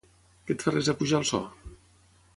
Que et fa res apujar el so?